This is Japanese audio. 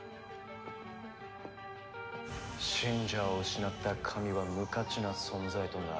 信者を失った神は無価値な存在となる。